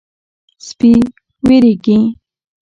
سپي وېرېږي.